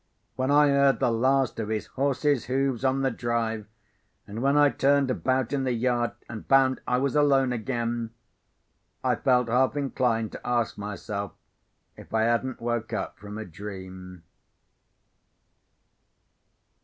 When I heard the last of his horse's hoofs on the drive, and when I turned about in the yard and found I was alone again, I felt half inclined to ask myself if I hadn't woke up from a dream.